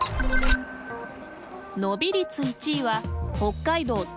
伸び率１位は北海道当別町。